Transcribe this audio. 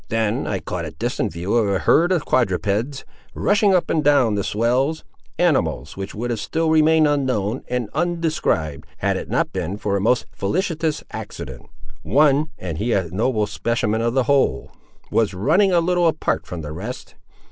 Then I caught a distant view of a herd of quadrupeds, rushing up and down the swells—animals, which would have still remained unknown and undescribed, had it not been for a most felicitous accident! One, and he a noble specimen of the whole! was running a little apart from the rest.